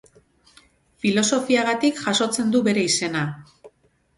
Filosofiagatik jasotzen du bere izena.